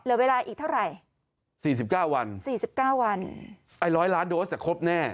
เหลือเวลาอีกเท่าไหร่สี่สิบเก้าวันสี่สิบเก้าวันไอ้ร้อยล้านโดสอ่ะครบแน่